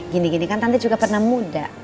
gini gini kan tante juga pernah muda